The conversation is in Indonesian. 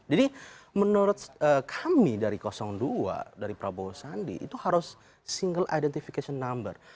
jadi menurut kami dari dua dari prabowo sandi itu harus single identification number